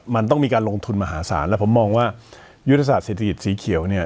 มันต้องมีการลงทุนมหาศาลแล้วผมมองว่ายุทธศาสตเศรษฐกิจสีเขียวเนี่ย